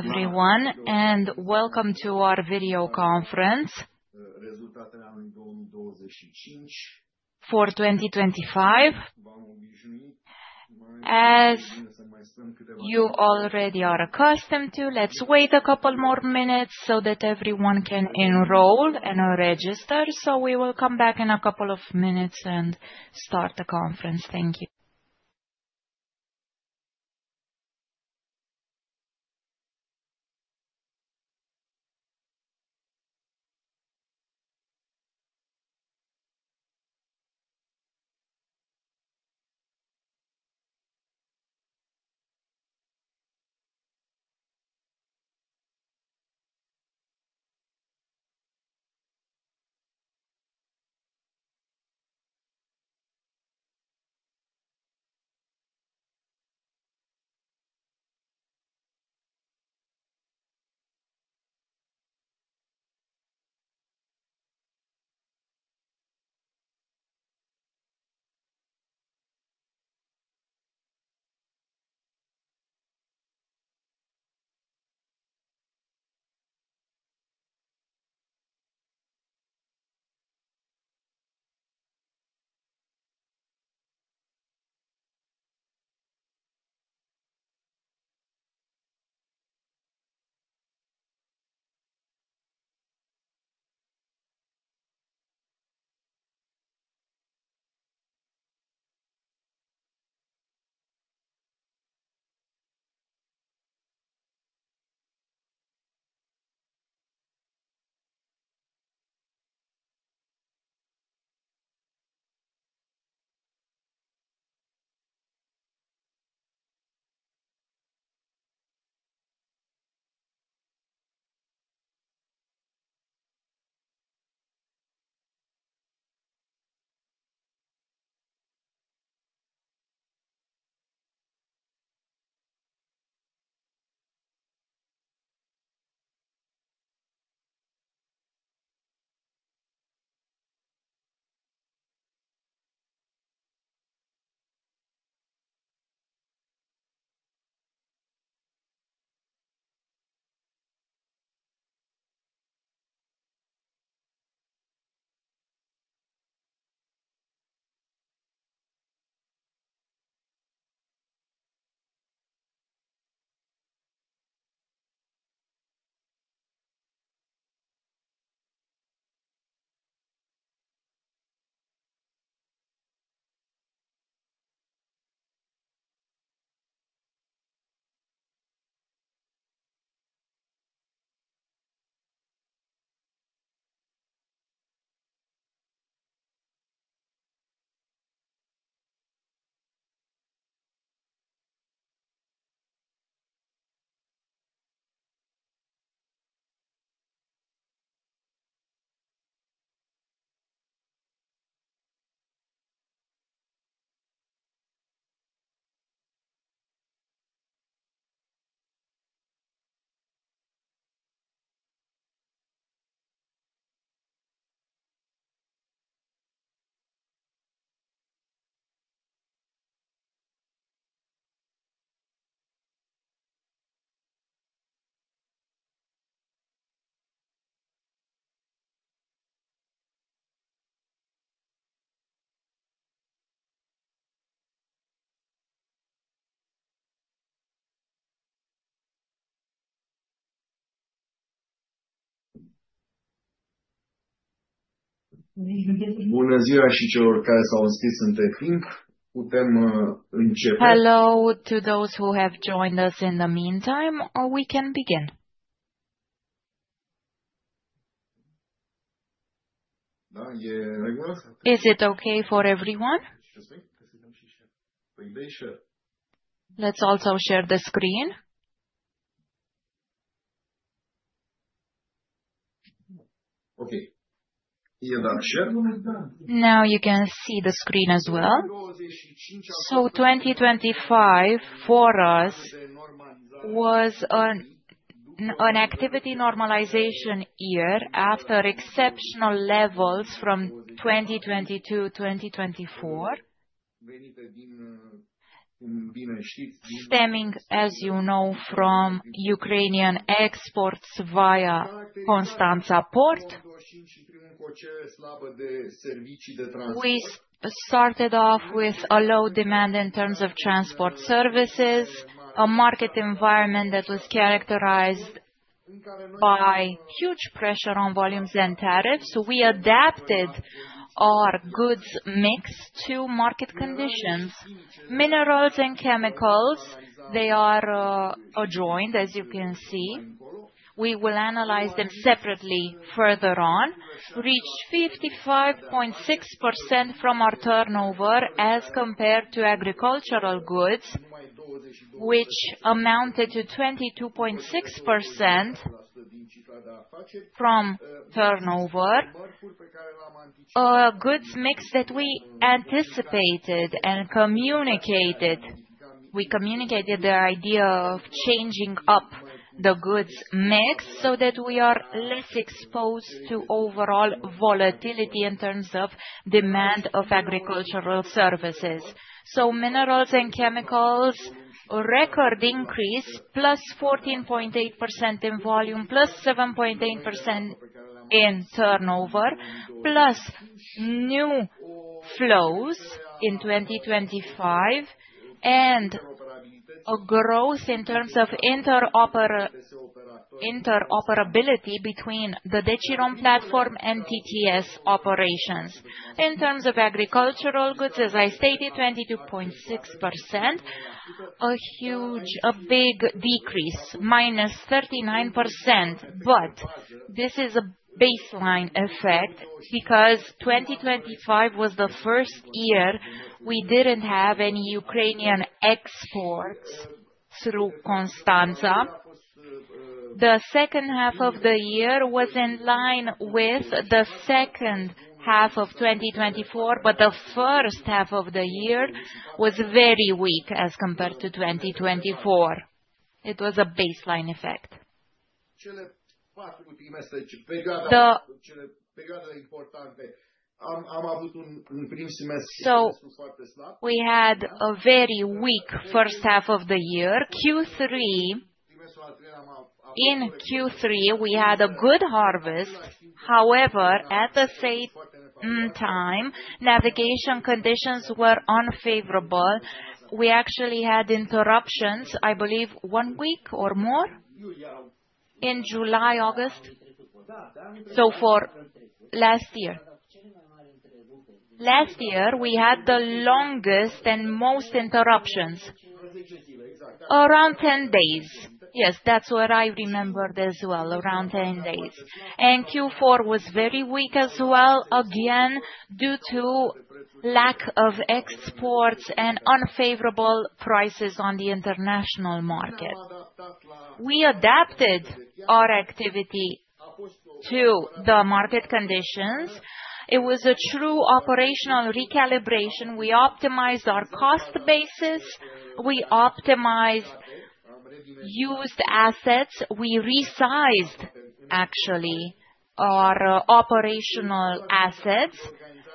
Hello everyone, and welcome to our video conference for 2025. As you already are accustomed to, let's wait a couple more minutes so that everyone can enroll and register. We will come back in a couple of minutes and start the conference. Thank you. Hello to those who have joined us in the meantime. We can begin. Is it okay for everyone? Let's also share the screen. Okay. Now you can see the screen as well. 2025 for us was an activity normalization year after exceptional levels from 2020 to 2024. Stemming, as you know, from Ukrainian exports via Constanta Port. We started off with a low demand in terms of transport services, a market environment that was characterized by huge pressure on volumes and tariffs. We adapted our goods mix to market conditions. Minerals and chemicals, they are adjoined, as you can see. We will analyze them separately further on. Reached 55.6% from our turnover as compared to agricultural goods, which amounted to 22.6% from turnover. Goods mix that we anticipated and communicated. We communicated the idea of changing up the goods mix so that we are less exposed to overall volatility in terms of demand of agricultural services. Minerals and chemicals, a record increase +14.8% in volume, +7.8% in turnover, plus new flows in 2025, and a growth in terms of interoperability between the Decebal platform and TTS operations. In terms of agricultural goods, as I stated, 22.6%, a big decrease, -39%. This is a baseline effect because 2025 was the first year we didn't have any Ukrainian exports through Constanta. The second half of the year was in line with the second half of 2024, but the first half of the year was very weak as compared to 2024. It was a baseline effect. We had a very weak first half of the year. In Q3, we had a good harvest. However, at the same time, navigation conditions were unfavorable. We actually had interruptions, I believe, one week or more in July, August. For last year, we had the longest and most interruptions. Around 10 days. Yes, that's what I remembered as well, around 10 days. Q4 was very weak as well, again, due to lack of exports and unfavorable prices on the international market. We adapted our activity to the market conditions. It was a true operational recalibration. We optimized our cost basis, we optimized used assets, we resized, actually, our operational assets,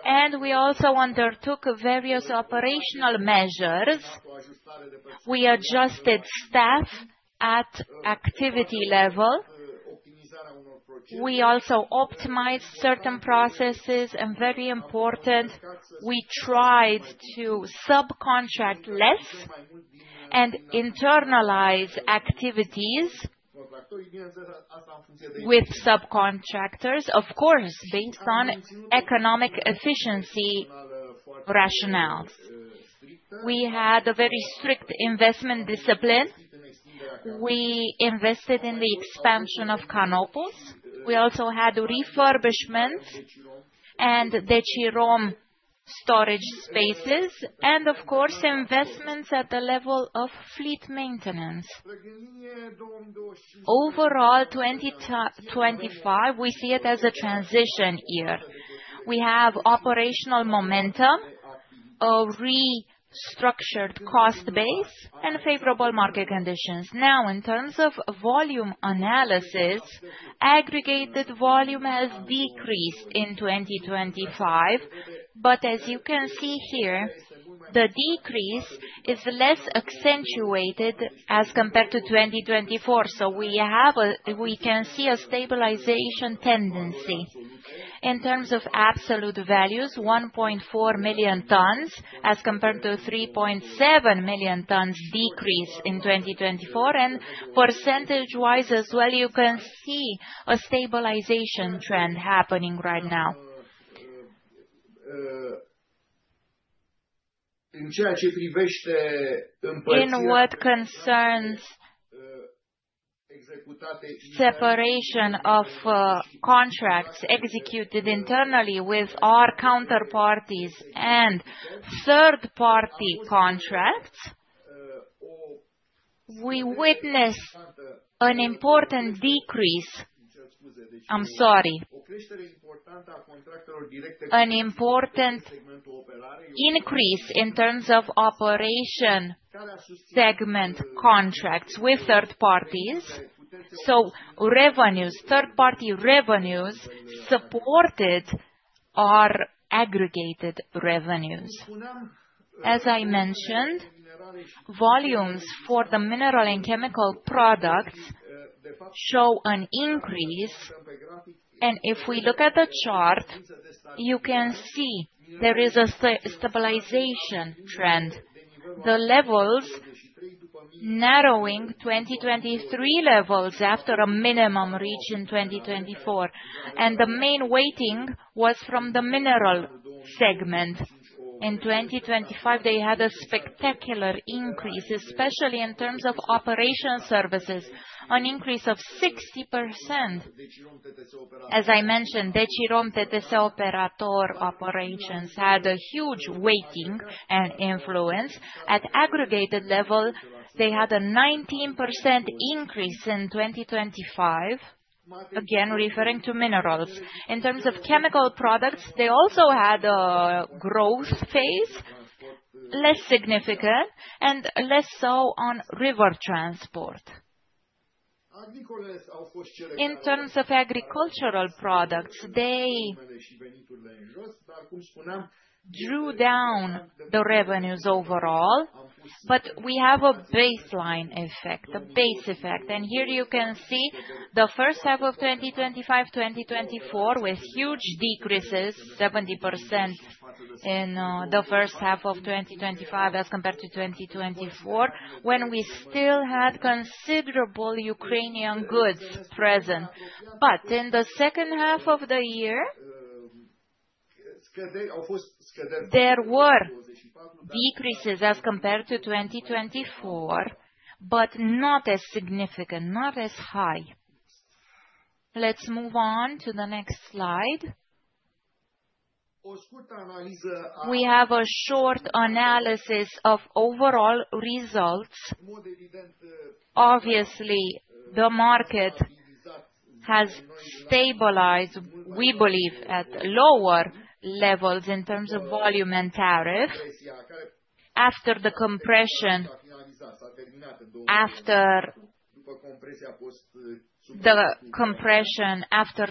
and we also undertook various operational measures. We adjusted staff at activity level. We also optimized certain processes, and very important, we tried to subcontract less and internalize activities with subcontractors, of course, based on economic efficiency rationale. We had a very strict investment discipline. We invested in the expansion of Canopus. We also had refurbishment and Decebal storage spaces and of course, investments at the level of fleet maintenance. Overall, 2025, we see it as a transition year. We have operational momentum, a restructured cost base, and favorable market conditions. Now, in terms of volume analysis, aggregated volume has decreased in 2025. As you can see here, the decrease is less accentuated as compared to 2024. We can see a stabilization tendency. In terms of absolute values, 1.4 million tons as compared to 3.7 million tons decrease in 2024. Percentage-wise as well, you can see a stabilization trend happening right now. In what concerns separation of, contracts executed internally with our counterparties and third-party contracts, we witness an important decrease. I'm sorry. An important increase in terms of operation segment contracts with third parties. Revenues, third-party revenues supported our aggregated revenues. As I mentioned, volumes for the mineral and chemical products show an increase. If we look at the chart, you can see there is a stabilization trend. The levels narrowing 2023 levels after a minimum reach in 2024. The main weighting was from the mineral segment. In 2025, they had a spectacular increase, especially in terms of operation services, an increase of 60%. As I mentioned, Decebal operator operations had a huge weighting and influence. At aggregated level, they had a 19% increase in 2025. Again, referring to minerals. In terms of chemical products, they also had a growth phase, less significant and less so on river transport. In terms of agricultural products, they drew down the revenues overall. We have a baseline effect, a base effect. Here you can see the first half of 2025, 2024 with huge decreases, 70% in the first half of 2025 as compared to 2024, when we still had considerable Ukrainian goods present. In the second half of the year, there were decreases as compared to 2024, but not as significant, not as high. Let's move on to the next slide. We have a short analysis of overall results. Obviously, the market has stabilized, we believe, at lower levels in terms of volume and tariff. After the compression, after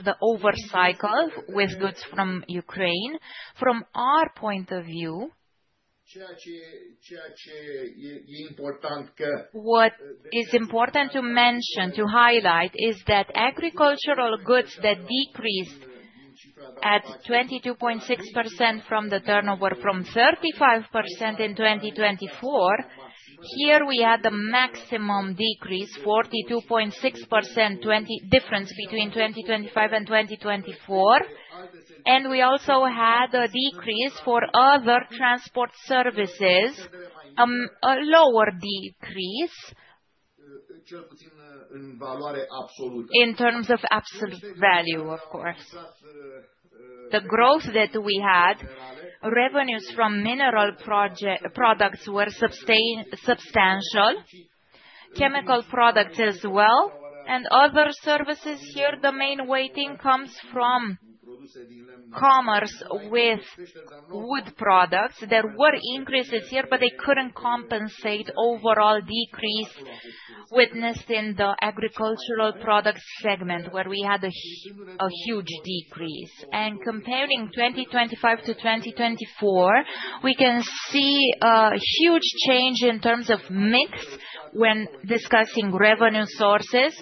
the overcycle with goods from Ukraine. From our point of view, what is important to mention, to highlight is that agricultural goods that decreased at 22.6% from the turnover from 35% in 2024. Here we had the maximum decrease, 42.6% difference between 2025 and 2024. We also had a decrease for other transport services, a lower decrease. In terms of absolute value, of course. The growth that we had, revenues from mineral products were substantial. Chemical products as well, and other services here, the main weighting comes from commerce with wood products. There were increases here, but they couldn't compensate overall decrease witnessed in the agricultural products segment, where we had a huge decrease. Comparing 2025 to 2024, we can see a huge change in terms of mix when discussing revenue sources.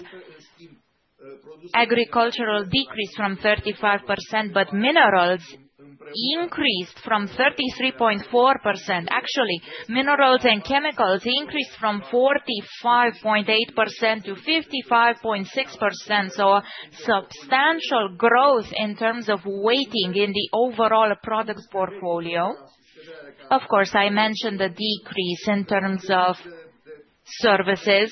Agricultural decreased from 35%, but minerals increased from 33.4%. Actually, minerals and chemicals increased from 45.8% to 55.6%. Substantial growth in terms of weighting in the overall products portfolio. Of course, I mentioned the decrease in terms of services.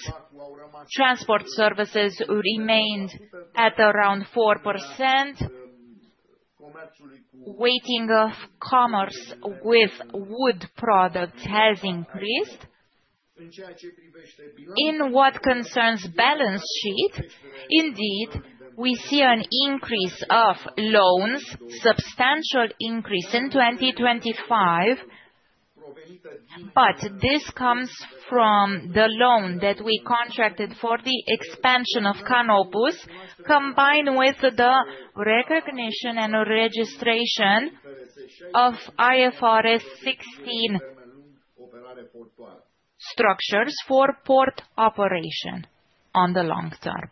Transport services remained at around 4%. Weighting of commerce with wood products has increased. In what concerns balance sheet, indeed, we see an increase of loans, substantial increase in 2025. This comes from the loan that we contracted for the expansion of Canopus, combined with the recognition and registration of IFRS 16 structures for port operation on the long term.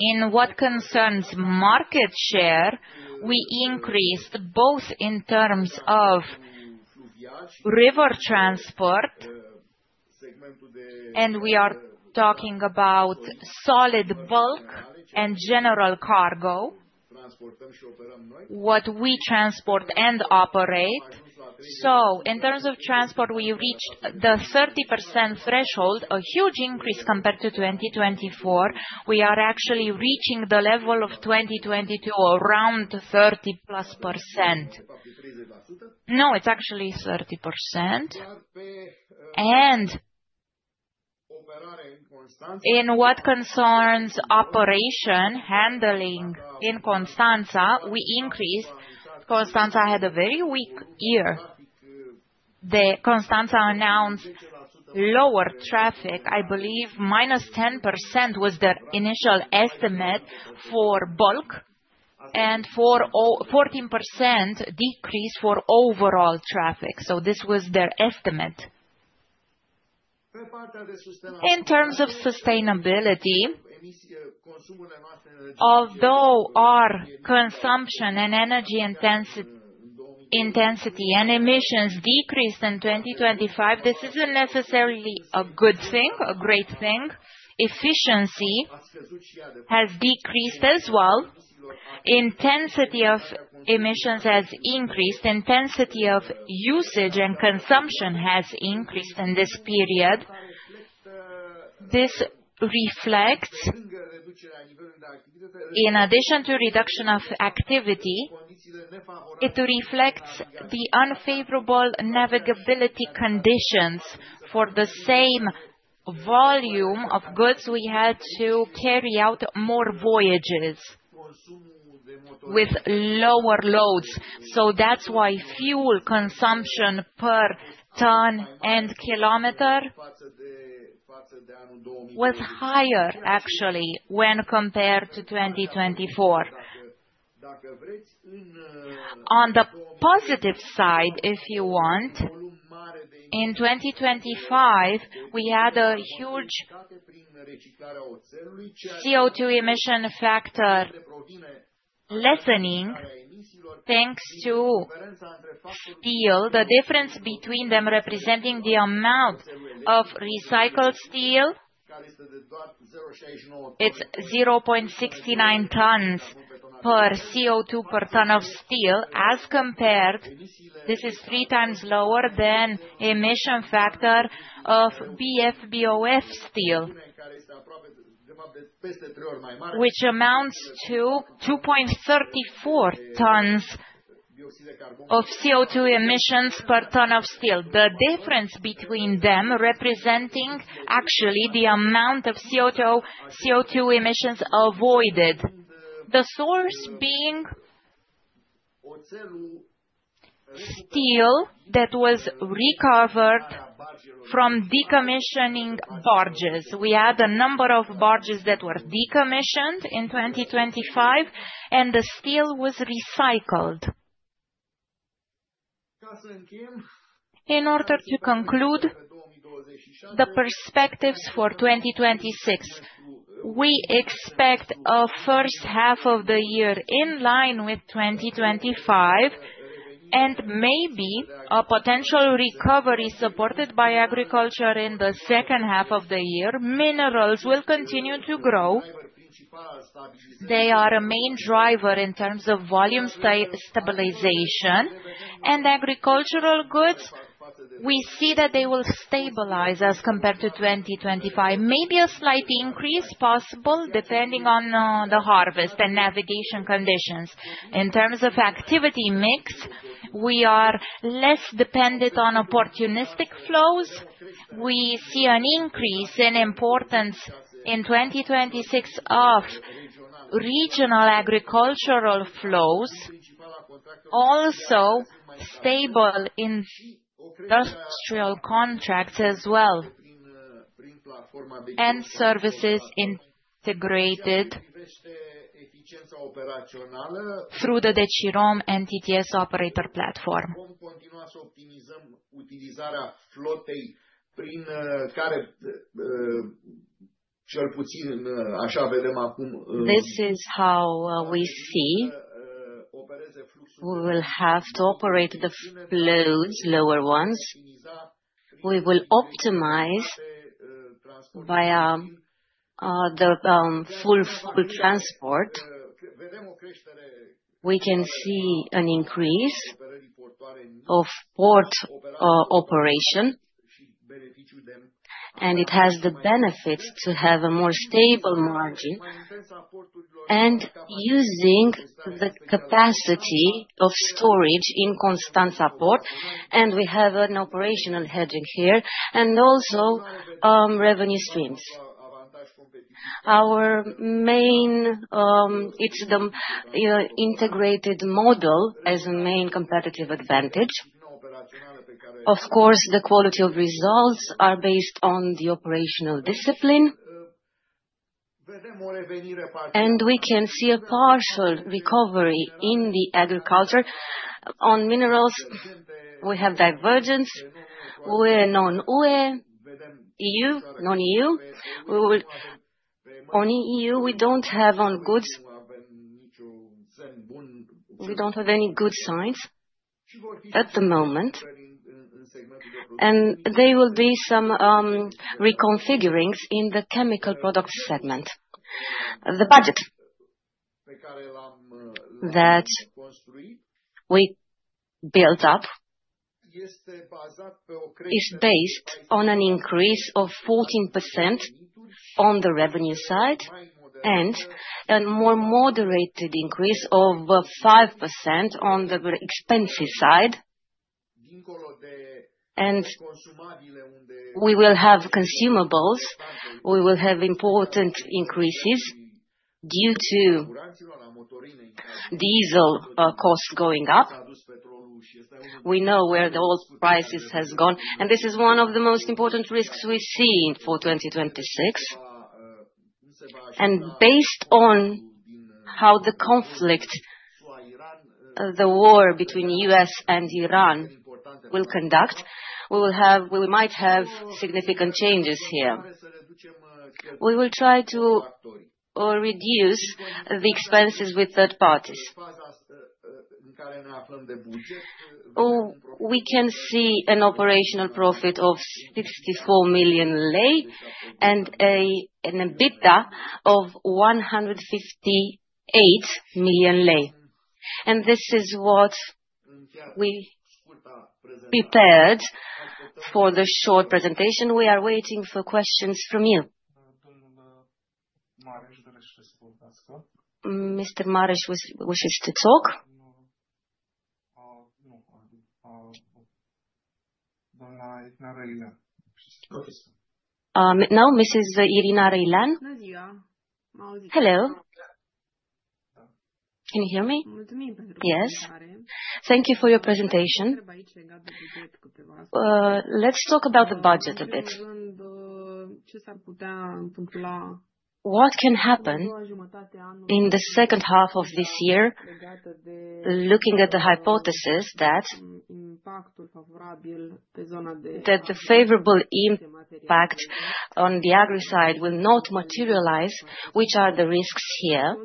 In what concerns market share, we increased both in terms of river transport, and we are talking about solid bulk and general cargo, what we transport and operate. In terms of transport, we reached the 30% threshold, a huge increase compared to 2024. We are actually reaching the level of 2022 around +30%. No, it's actually 30%. In what concerns operation handling in Constanta, we increased. Constanta had a very weak year. The Constanta announced lower traffic. I believe -10% was their initial estimate for bulk and for overall, 14% decrease for overall traffic. This was their estimate. In terms of sustainability, although our consumption and energy intensity and emissions decreased in 2025, this isn't necessarily a good thing, a great thing. Efficiency has decreased as well. Intensity of emissions has increased. Intensity of usage and consumption has increased in this period. It reflects the unfavorable navigability conditions. For the same volume of goods, we had to carry out more voyages with lower loads. That's why fuel consumption per ton and kilometer was higher actually when compared to 2024. On the positive side, if you want, in 2025, we had a huge CO₂ emission factor lessening thanks to steel, the difference between them representing the amount of recycled steel. It's 0.69 tons per CO₂ per ton of steel as compared. This is three times lower than emission factor of BF-BOF steel. Which amounts to 2.34 tons of CO₂ emissions per ton of steel. The difference between them representing actually the amount of CO₂ emissions avoided. The source being steel that was recovered from decommissioning barges. We had a number of barges that were decommissioned in 2025, and the steel was recycled. In order to conclude the perspectives for 2026, we expect a first half of the year in line with 2025, and maybe a potential recovery supported by agriculture in the second half of the year. Minerals will continue to grow. They are a main driver in terms of volume stabilization. Agricultural goods, we see that they will stabilize as compared to 2025. Maybe a slight increase possible depending on the harvest and navigation conditions. In terms of activity mix, we are less dependent on opportunistic flows. We see an increase in importance in 2026 of regional agricultural flows, also stable industrial contracts as well, and services integrated through the Decirom entities operator platform. This is how we see. We will have to operate the flows, lower ones. We will optimize via the full transport. We can see an increase of port operation, and it has the benefit to have a more stable margin. Using the capacity of storage in Constanta port, and we have an operational heading here and also revenue streams. It's the integrated model as main competitive advantage. Of course, the quality of results are based on the operational discipline. We can see a partial recovery in the agriculture. On minerals, we have divergence. We're non-EU. EU, non-EU. On EU, we don't have goods. We don't have any good signs at the moment. There will be some reconfigurations in the chemical products segment. The budget that we built up is based on an increase of 14% on the revenue side and a more moderated increase of 5% on the expense side. We will have consumables. We will have important increases due to diesel costs going up. We know where the oil prices has gone, and this is one of the most important risks we're seeing for 2026. Based on how the conflict, the war between U.S. and Iran will conduct, we might have significant changes here. We will try to reduce the expenses with third parties. We can see an operational profit of RON 54 million and an EBITDA of RON 158 million. This is what we prepared for the short presentation. We are waiting for questions from you. Mr. Marish wishes to talk. No. Now Mrs. Irina Rîlan. Hello. Can you hear me? Yes. Thank you for your presentation. Let's talk about the budget a bit. What can happen in the second half of this year, looking at the hypothesis that the favorable impact on the Agri side will not materialize, which are the risks here?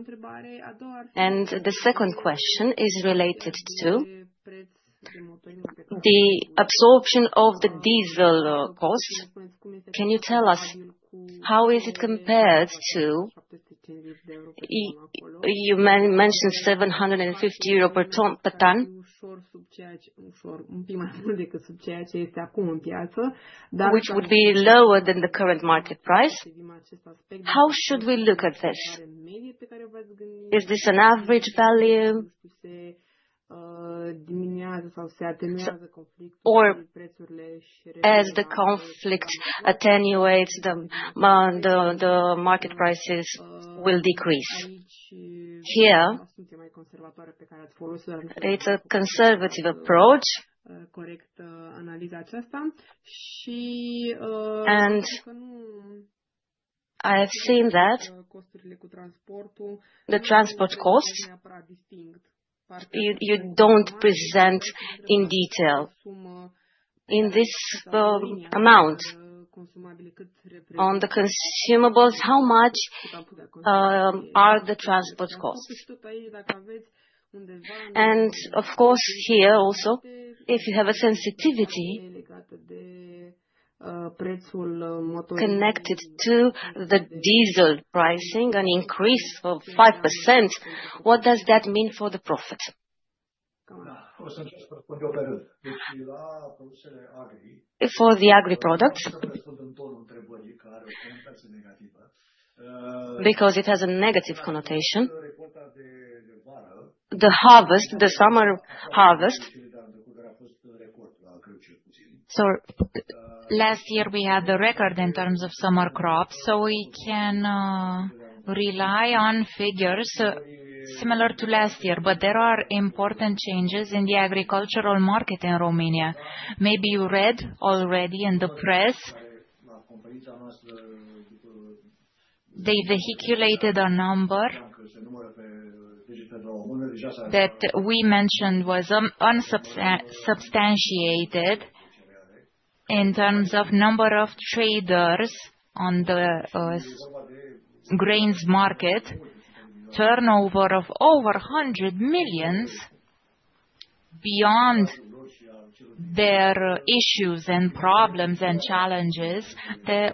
The second question is related to the absorption of the diesel costs. Can you tell us how is it compared to... You mentioned 750 euro per ton. Which would be lower than the current market price. How should we look at this? Is this an average value? Or as the conflict attenuates the market prices will decrease. Here, it's a conservative approach. I have seen that the transport costs, you don't present in detail. In this amount on the consumables, how much are the transport costs? Of course here also, if you have a sensitivity connected to the diesel pricing, an increase of 5%, what does that mean for the profit? For the Agri products. Because it has a negative connotation. The harvest, the summer harvest. Last year we had the record in terms of summer crops, so we can rely on figures similar to last year. There are important changes in the agricultural market in Romania. Maybe you read already in the press. They circulated a number that we mentioned was unsubstantiated in terms of number of traders on the grains market, turnover of over RON 100 million. Beyond their issues and problems and challenges,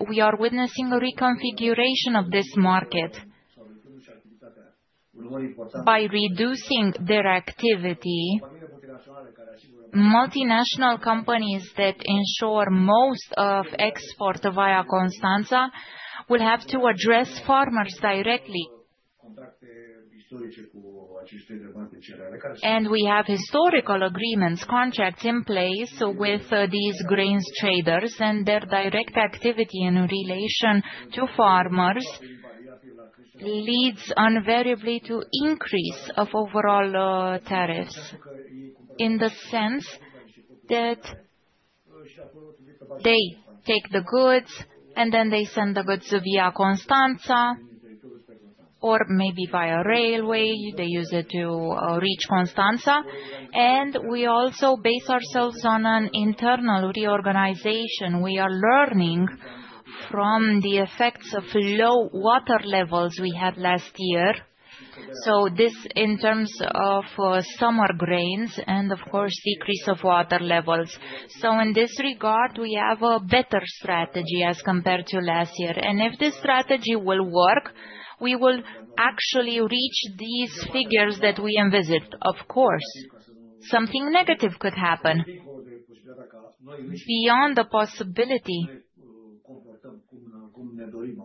we are witnessing a reconfiguration of this market. By reducing their activity, multinational companies that ensure most of export via Constanta will have to address farmers directly. We have historical agreements, contracts in place with these grains traders and their direct activity in relation to farmers leads invariably to increase of overall tariffs. In the sense that they take the goods, and then they send the goods via Constanta or maybe via railway. They use it to reach Constanta. We also base ourselves on an internal reorganization. We are learning from the effects of low water levels we had last year. This in terms of summer grains and of course decrease of water levels. In this regard, we have a better strategy as compared to last year. If this strategy will work, we will actually reach these figures that we envisaged. Of course, something negative could happen. Beyond the possibility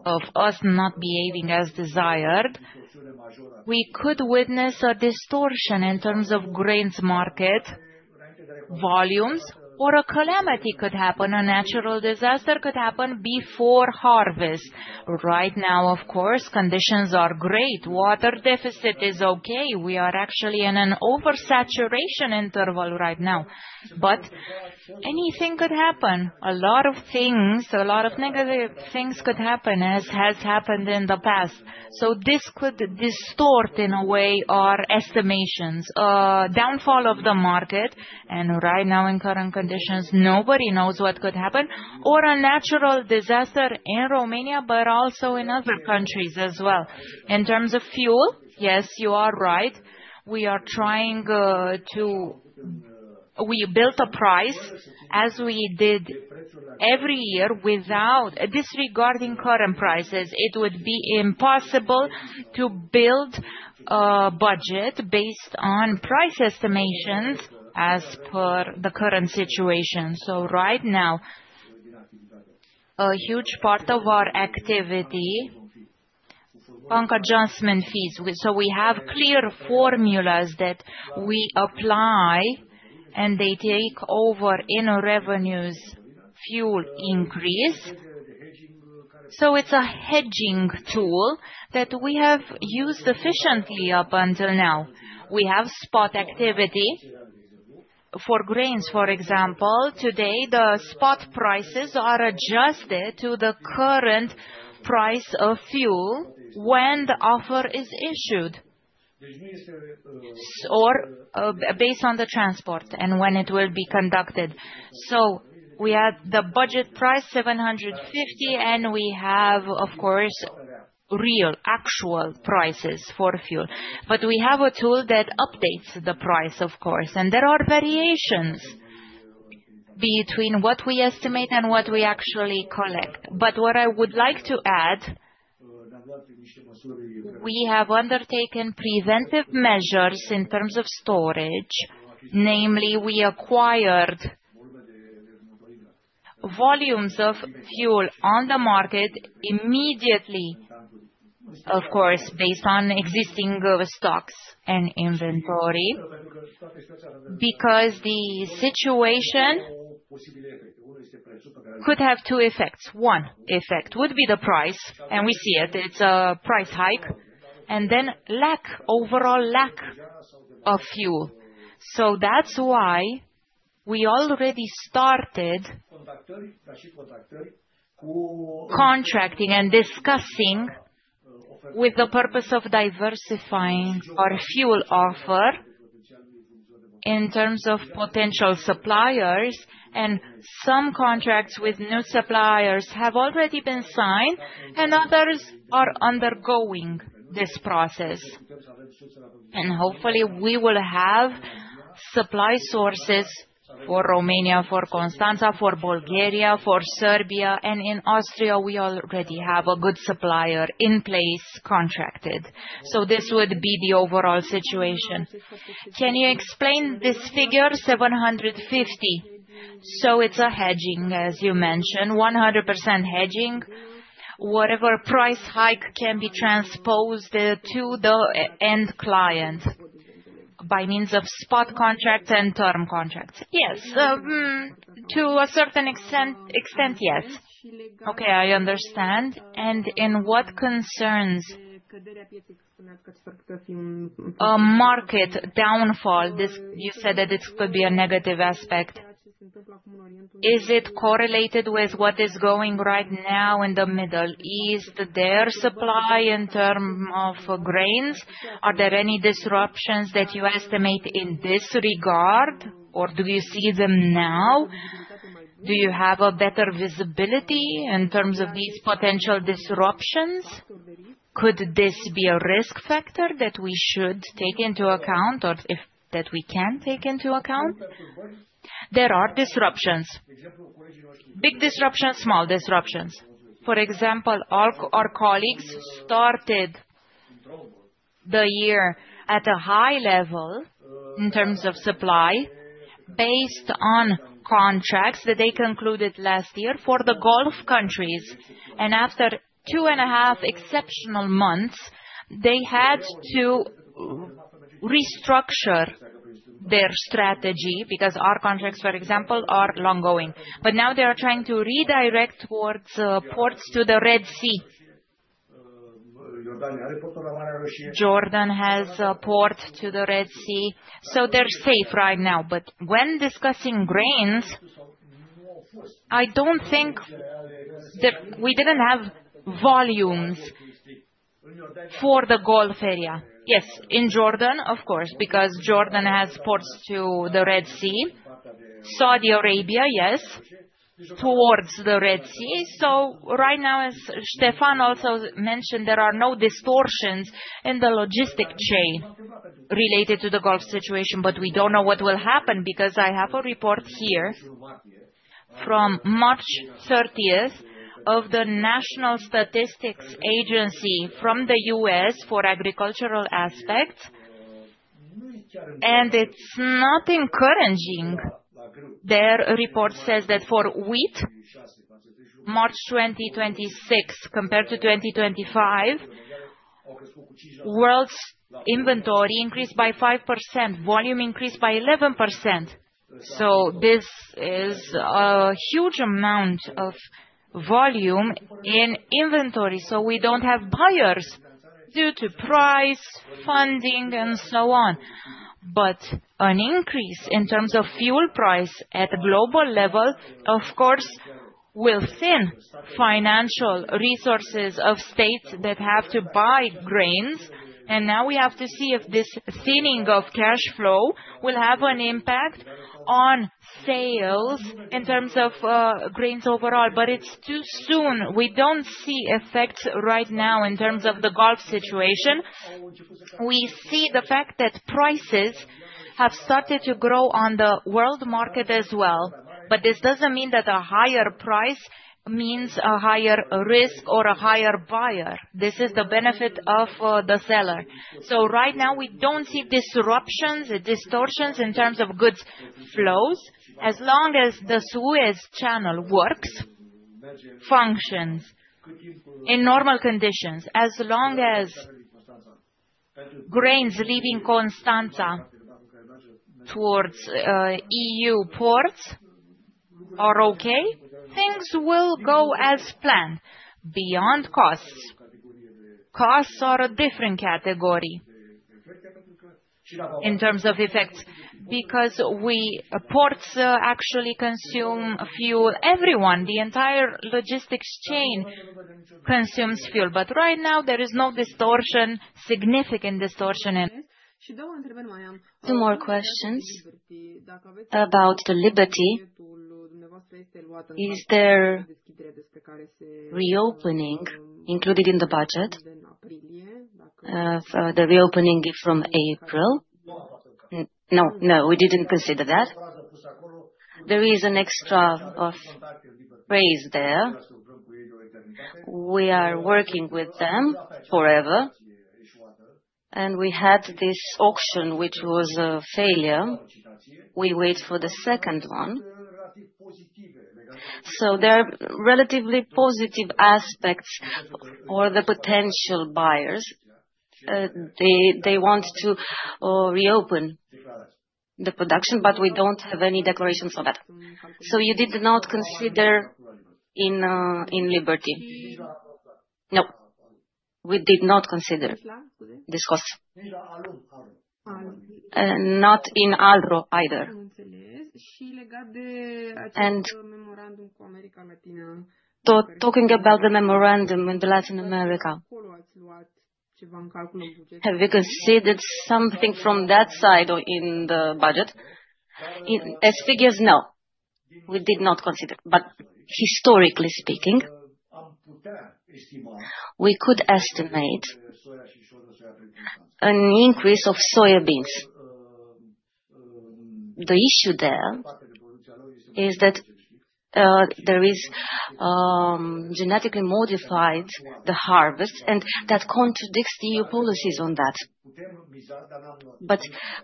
of us not behaving as desired, we could witness a distortion in terms of grains market volumes or a calamity could happen, a natural disaster could happen before harvest. Right now, of course, conditions are great. Water deficit is okay. We are actually in an oversaturation interval right now. Anything could happen. A lot of things, a lot of negative things could happen as has happened in the past. This could distort in a way our estimations. Downfall of the market, and right now in current conditions, nobody knows what could happen. A natural disaster in Romania, but also in other countries as well. In terms of fuel, yes, you are right. We are trying. We built a price as we did every year without disregarding current prices. It would be impossible to build a budget based on price estimations as per the current situation. Right now a huge part of our activity, blanket adjustment fees. We have clear formulas that we apply and they take over the fuel increase in revenues. It's a hedging tool that we have used efficiently up until now. We have spot activity for grains, for example. Today, the spot prices are adjusted to the current price of fuel when the offer is issued. Or, based on the transport and when it will be conducted. We had the budget price 750 EUR, and we have, of course, real actual prices for fuel. We have a tool that updates the price, of course. There are variations between what we estimate and what we actually collect. What I would like to add, we have undertaken preventive measures in terms of storage. Namely, we acquired volumes of fuel on the market immediately, of course, based on existing stocks and inventory, because the situation could have two effects. One effect would be the price, and we see it's a price hike, and then lack, overall lack of fuel. That's why we already started contracting and discussing with the purpose of diversifying our fuel offer in terms of potential suppliers, and some contracts with new suppliers have already been signed, and others are undergoing this process. Hopefully, we will have supply sources for Romania, for Constanta, for Bulgaria, for Serbia, and in Austria, we already have a good supplier in place contracted. This would be the overall situation. Can you explain this figure, 750? It's a hedging, as you mentioned, 100% hedging. Whatever price hike can be transposed to the end client. By means of spot contracts and term contracts? Yes. To a certain extent, yes. Okay, I understand. In what concerns a market downfall, this you said that it could be a negative aspect. Is it correlated with what is going right now in the Middle East, their supply in terms of grains? Are there any disruptions that you estimate in this regard, or do you see them now? Do you have a better visibility in terms of these potential disruptions? Could this be a risk factor that we should take into account or that we can take into account? There are disruptions. Big disruptions, small disruptions. For example, our colleagues started the year at a high level in terms of supply based on contracts that they concluded last year for the Gulf countries. After two and a half exceptional months, they had to restructure their strategy because our contracts, for example, are long-term. Now they are trying to redirect towards ports to the Red Sea. Jordan has a port to the Red Sea, so they're safe right now. When discussing grains, I don't think that we didn't have volumes for the Gulf area. Yes, in Jordan, of course, because Jordan has ports to the Red Sea. Saudi Arabia, yes, towards the Red Sea. Right now, as Stefan also mentioned, there are no distortions in the logistic chain related to the Gulf situation, but we don't know what will happen because I have a report here from March 30 of the National Statistics Agency from the U.S. for agricultural aspects, and it's not encouraging. Their report says that for wheat, March 2026 compared to 2025, world's inventory increased by 5%, volume increased by 11%. This is a huge amount of volume in inventory. We don't have buyers due to price, funding, and so on. But an increase in terms of fuel price at a global level, of course, will thin financial resources of states that have to buy grains. Now we have to see if this thinning of cash flow will have an impact on sales in terms of grains overall. It's too soon. We don't see effects right now in terms of the Gulf situation. We see the fact that prices have started to grow on the world market as well, but this doesn't mean that a higher price means a higher risk or a higher buyer. This is the benefit of the seller. Right now we don't see disruptions or distortions in terms of goods flows. As long as the Suez Canal works, functions in normal conditions, as long as grains leaving Constanța towards EU ports are okay, things will go as planned. Beyond costs are a different category in terms of effects because ports actually consume fuel. Everyone, the entire logistics chain consumes fuel, but right now there is no distortion, significant distortion in. Two more questions about the Liberty. Is there reopening included in the budget? For the reopening from April? No, no, we didn't consider that. There is an extra raise there. We are working with them forever, and we had this auction, which was a failure. We wait for the second one. There are relatively positive aspects for the potential buyers. They want to reopen the production, but we don't have any declarations for that. You did not consider in Liberty? No, we did not consider this cost. Not in Alro either. Talking about the memorandum in Latin America, have you considered something from that side or in the budget? As figures, no, we did not consider. Historically speaking, we could estimate an increase of soybeans. The issue there is that there is genetically modified the harvest, and that contradicts the EU policies on that.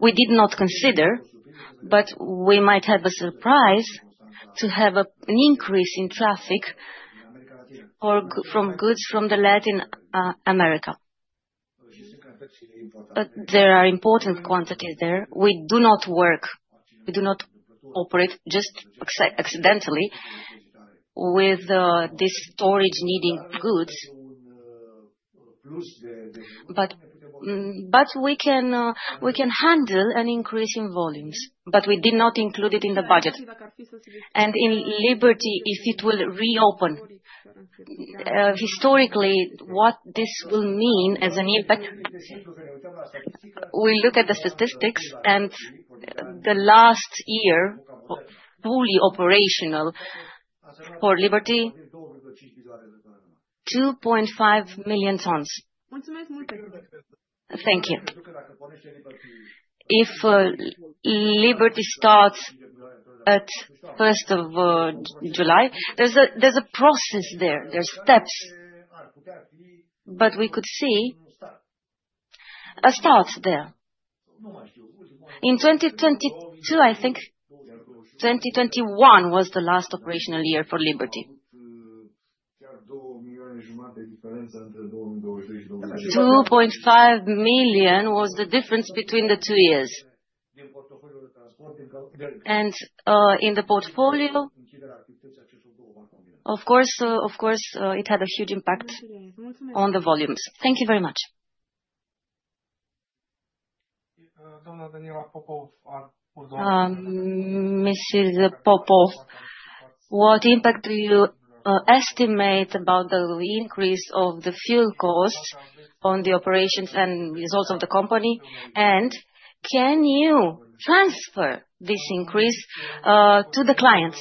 We did not consider, but we might have a surprise to have an increase in traffic or from goods from Latin America. There are important quantities there. We do not work. We do not operate just accidentally with this storage needing goods. We can handle an increase in volumes, but we did not include it in the budget. In Liberty, if it will reopen, historically, what this will mean as an impact, we look at the statistics and the last year fully operational for Liberty, 2.5 million tons. Thank you. If Liberty starts at first of July, there's a process there. There are steps. We could see a start there. In 2022 I think 2021 was the last operational year for Liberty. 2.5 million was the difference between the two years. In the portfolio, of course, it had a huge impact on the volumes. Thank you very much. Mrs. Popov, what impact do you estimate about the increase of the fuel costs on the operations and results of the company? And can you transfer this increase to the clients?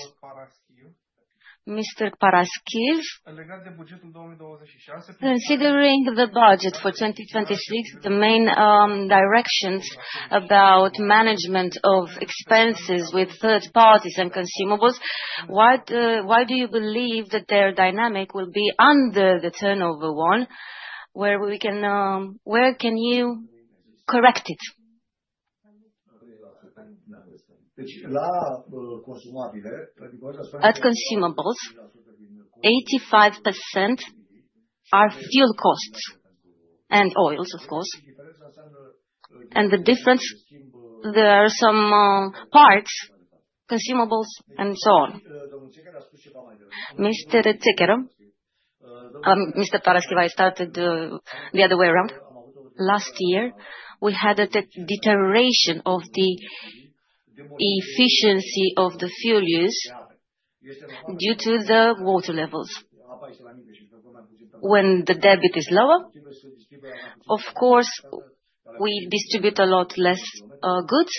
Mr. Paraschiv. Considering the budget for 2026, the main directions about management of expenses with third parties and consumables, what why do you believe that their dynamic will be under the turnover one, where can you correct it? At consumables, 85% are fuel costs and oils, of course. The difference, there are some parts, consumables and so on. Mr. Techera. Mr. Paraschiv has started the other way around. Last year, we had a deterioration of the efficiency of the fuel use due to the water levels. When the draft is lower, of course, we distribute a lot less goods,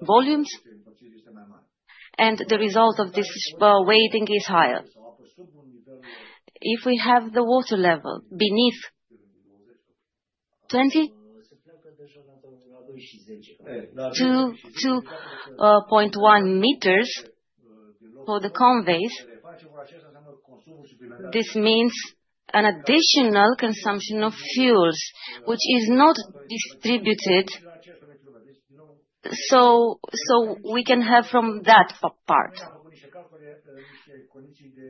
volumes, and the result of this waiting is higher. If we have the water level beneath 20 m to 20.1 m for the vessels. This means an additional consumption of fuels which is not distributed. So we can have from that part.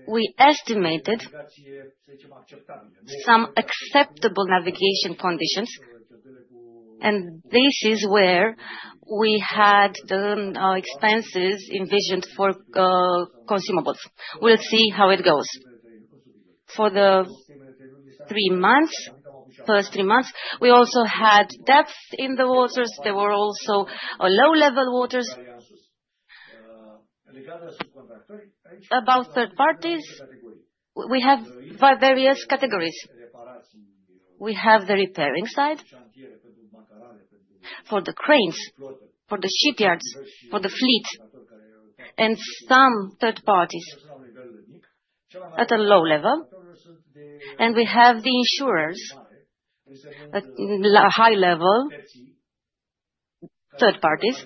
We estimated some acceptable navigation conditions, and this is where we had the expenses envisioned for consumables. We'll see how it goes. For the first three months, we also had depth in the waters. There were also low-level waters. About third parties, we have various categories. We have the repairing side for the cranes, for the shipyards, for the fleet, and some third parties at a low level. We have the insurers at a high level. Third parties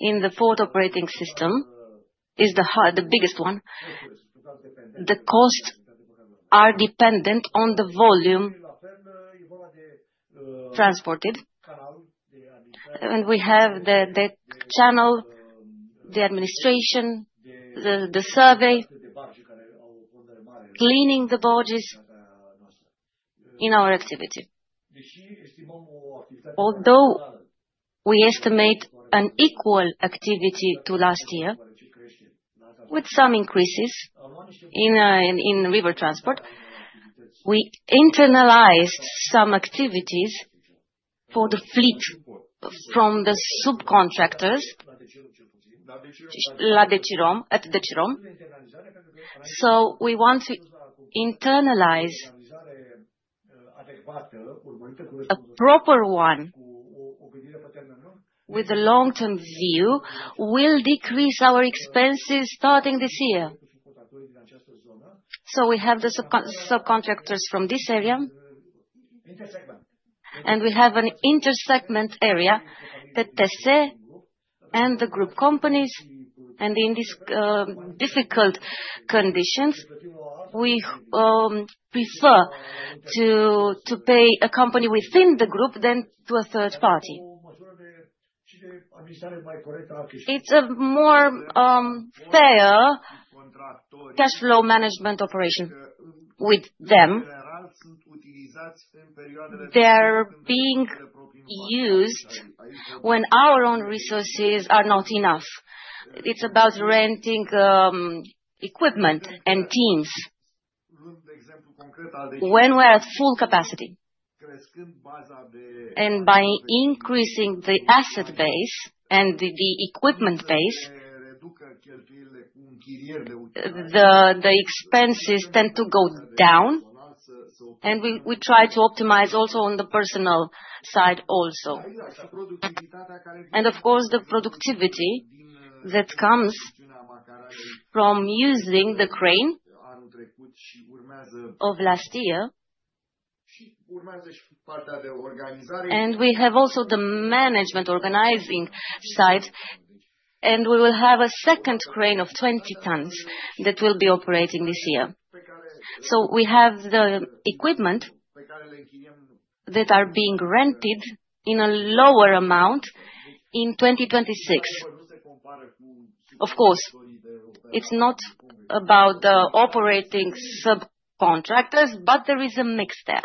in the port operating system is the biggest one. The costs are dependent on the volume transported. We have the channel, the administration, the survey, cleaning the barges in our activity. Although we estimate an equal activity to last year with some increases in river transport, we internalized some activities for the fleet from the subcontractors at Decebal. We want to internalize. A proper one with a long-term view will decrease our expenses starting this year. We have the subcontractors from this area, and we have an intersegment area, the TC and the group companies. In these difficult conditions, we prefer to pay a company within the group than to a third party. It's a more fair cash flow management operation with them. They're being used when our own resources are not enough. It's about renting equipment and teams when we're at full capacity. By increasing the asset base and the equipment base, the expenses tend to go down. We try to optimize also on the personnel side also. Of course, the productivity that comes from using the crane of last year. We have also the management organizing side, and we will have a second crane of 20 tons that will be operating this year. We have the equipment that are being rented in a lower amount in 2026. Of course, it's not about the operating subcontractors, but there is a mix there.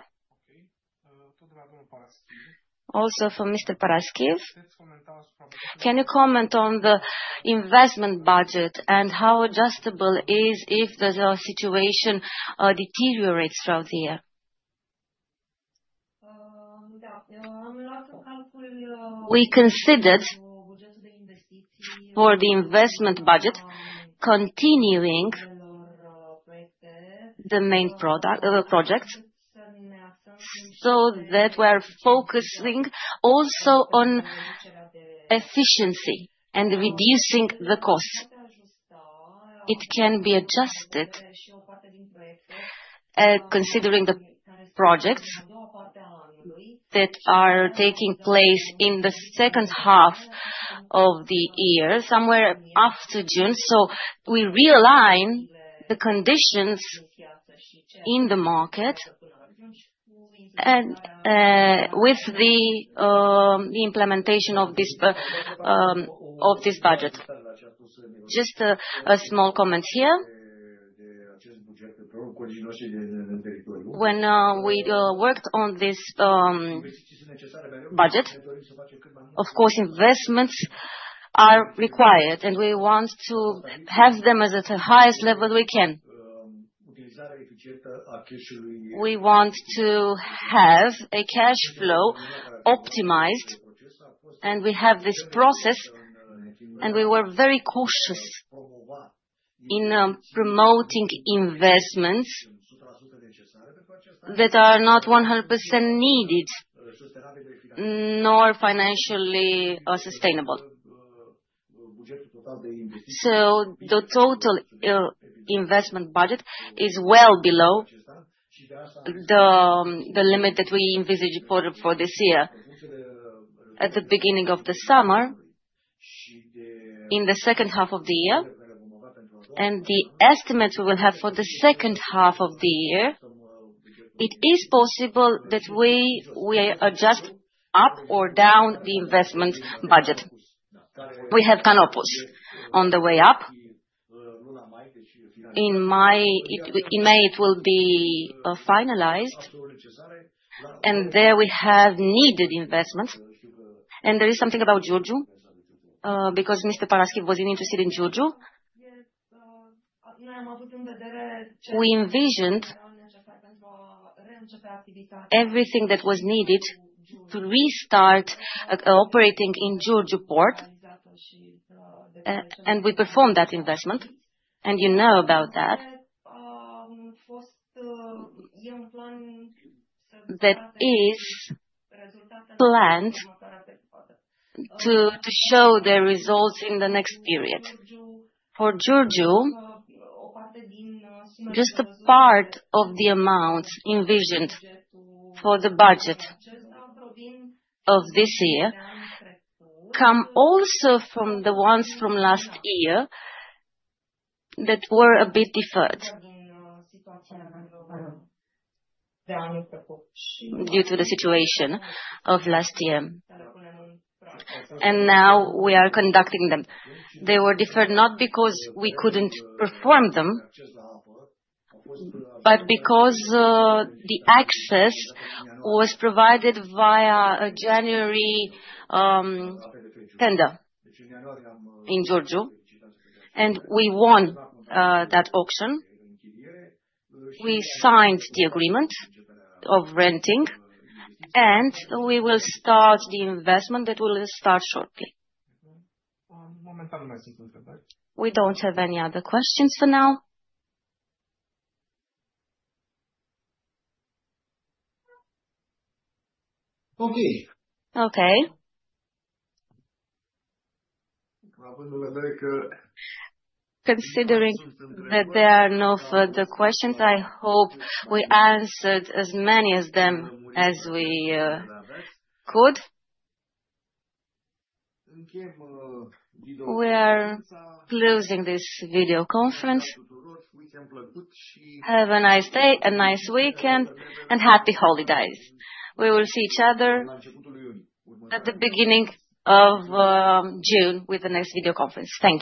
Also from Mr. Paraschiv, can you comment on the investment budget and how adjustable it is if the situation deteriorates throughout the year? We considered for the investment budget continuing the main project, so that we're focusing also on efficiency and reducing the costs. It can be adjusted, considering the projects that are taking place in the second half of the year, somewhere after June. We realign the conditions in the market and with the implementation of this budget. Just a small comment here. When we worked on this budget, of course, investments are required, and we want to have them as at the highest level we can. We want to have a cash flow optimized, and we have this process, and we were very cautious in promoting investments that are not 100% needed nor financially sustainable. The total investment budget is well below the limit that we envisaged for this year. At the beginning of the summer, in the second half of the year, and the estimates we will have for the second half of the year, it is possible that we will adjust up or down the investment budget. We have Canopus on the way up. In May, it will be finalized, and there we have needed investments. There is something about Giurgiu, because Mr. Paraschiv was interested in Giurgiu. We envisioned everything that was needed to restart operating in Giurgiu port, and we performed that investment, and you know about that. That is planned to show the results in the next period. For Giurgiu, just a part of the amounts envisioned for the budget of this year come also from the ones from last year that were a bit deferred due to the situation of last year. Now we are conducting them. They were deferred not because we couldn't perform them, but because the access was provided via a January tender in Giurgiu, and we won that auction. We signed the agreement of renting, and we will start the investment that will start shortly. We don't have any other questions for now. Okay. Okay. Considering that there are no further questions, I hope we answered as many of them as we could. We are closing this video conference. Have a nice day, a nice weekend, and happy holidays. We will see each other at the beginning of June with the next video conference. Thank you.